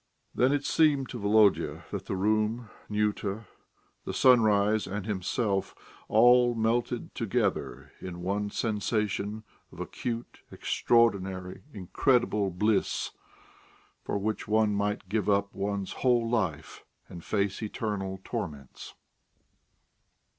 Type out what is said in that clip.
Then it seemed to Volodya that the room, Nyuta, the sunrise and himself all melted together in one sensation of acute, extraordinary, incredible bliss, for which one might give up one's whole life and face eternal torments....